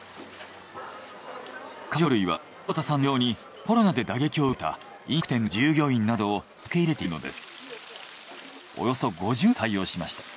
角上魚類は久保田さんのようにコロナで打撃を受けた飲食店の従業員などを積極的に受け入れているのです。